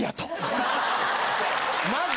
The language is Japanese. まず。